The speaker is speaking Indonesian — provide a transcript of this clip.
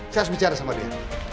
cepat bicara sama dia